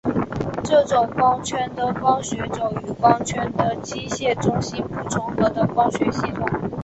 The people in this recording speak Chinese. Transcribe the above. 这种光圈的光学轴与光圈的机械中心不重合的光学系统。